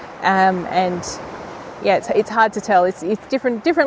dan ya sangat sulit untuk dikatakan